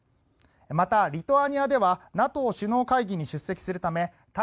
またリトアニアではＮＡＴＯ首脳会議に出席するため対